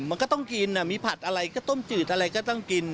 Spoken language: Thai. มันก็ต้องกินมีผัดอะไรก็ต้มจืดอะไรก็ต้องกิน